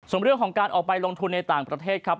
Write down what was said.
ส่วนเรื่องของการออกไปลงทุนในต่างประเทศครับ